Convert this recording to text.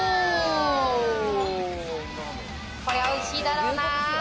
これはおいしいだろうな。